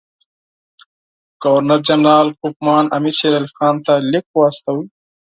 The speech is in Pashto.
ګورنر جنرال کوفمان امیر شېرعلي خان ته لیک واستاوه.